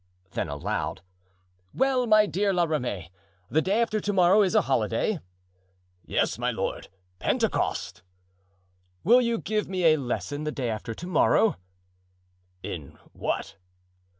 Then, aloud: "Well, my dear La Ramee! the day after to morrow is a holiday." "Yes, my lord—Pentecost." "Will you give me a lesson the day after to morrow?" "In what?"